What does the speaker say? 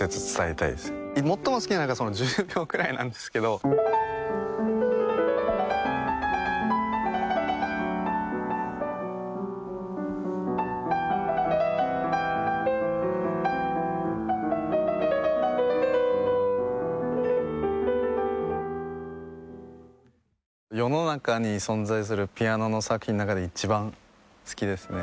最も好きなのがその１０秒ぐらいなんですけど世の中に存在するピアノの作品の中で一番好きですね